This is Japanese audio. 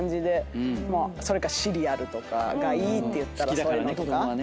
それかシリアルとかがいいって言ったらそういうのとか。